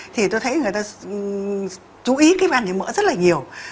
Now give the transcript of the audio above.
thì tôi thấy người ta chú ý cái gan nhiễm mỡ rất là nhiều